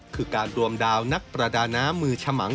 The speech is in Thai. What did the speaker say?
คือการรวมดาวนักประดาน้ำมือฉมัง